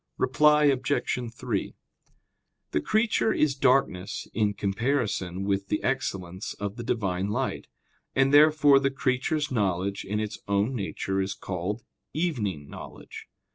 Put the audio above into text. Reply Obj. 3: The creature is darkness in comparison with the excellence of the Divine light; and therefore the creature's knowledge in its own nature is called "evening" knowledge.